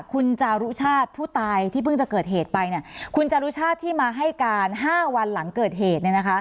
คุณจารุชาติผู้ตายที่เพิ่งจะเกิดเหตุไปคุณจารุชาติที่มาให้การ๕วันหลังเกิดเหตุ